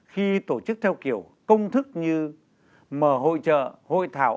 khi tổ chức theo kiểu công thức như mở hội trợ hội thảo